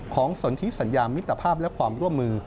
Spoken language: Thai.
สนทิสัญญามิตรภาพและความร่วมมือ